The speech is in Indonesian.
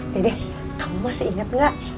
dede kamu masih inget gak